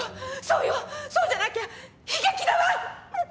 そうよそうじゃなきゃ悲劇だわ！